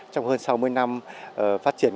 trong hơn sáu mươi năm phát triển